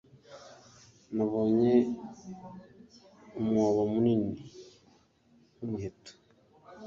Nabonye umwobo munini nkumuheto